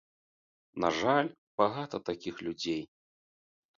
На жаль, багата такіх людзей.